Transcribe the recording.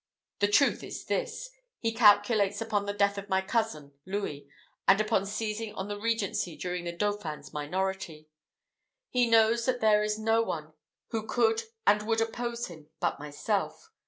The truth is this: he calculates upon the death of my cousin Louis, and upon seizing on the regency during the dauphin's minority. He knows that there is no one who could and would oppose him but myself.